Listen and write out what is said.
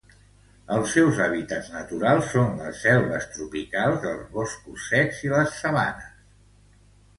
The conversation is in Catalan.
Els seus hàbitats naturals són les selves tropicals, els boscos secs i les sabanes.